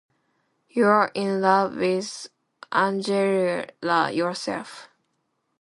You're in love with Angela yourself.